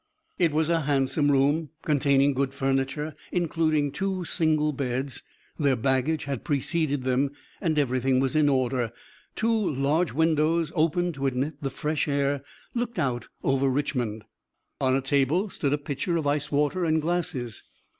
It was a handsome room, containing good furniture, including two single beds. Their baggage had preceded them and everything was in order. Two large windows, open to admit the fresh air, looked out over Richmond. On a table stood a pitcher of ice water and glasses.